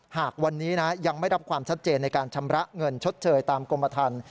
หากวันนี้นะยังไม่รับความชัดเจนในการชำระเงินชดเชยตามกรมทัน